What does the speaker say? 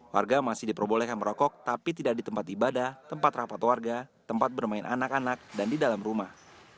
warga masih diperbolehkan merokok tapi tidak di tempat ibadah tempat rapat warga tempat bermain anak anak dan di dalam rumah